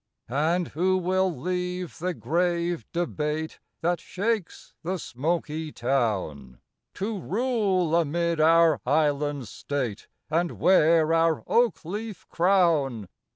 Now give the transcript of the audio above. And who will leave the grave debate That shakes the smoky town, To rule amid our island state, And wear our oak leaf crown?